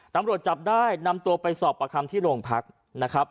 ตำรวจจับได้นำตัวไปสอบประคัมที่โรงพักนะครับ